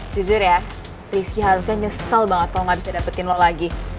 jujur ya rizky harusnya nyesel banget kalau nggak bisa dapetin lo lagi